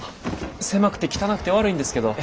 狭くて汚くて悪いんですけど。